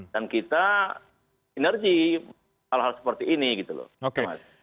dan kita energi hal hal seperti ini gitu loh